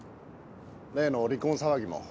例の離婚騒ぎも。